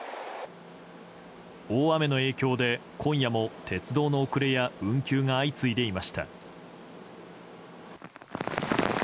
大雨の影響で今夜も鉄道の遅れや運休が相次いでいました。